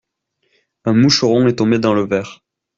Un moucheron est tombé dans le verre.